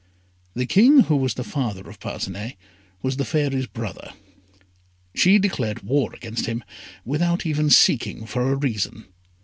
The King who was the father of Parcinet was the Fairy's brother. She declared war against him without even seeking for a reason.